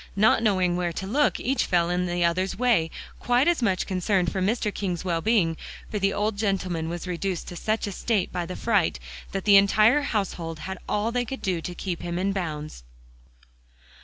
Not knowing where to look, each fell in the other's way, quite as much concerned for Mr. King's well being; for the old gentleman was reduced to such a state by the fright that the entire household had all they could do to keep him in bounds.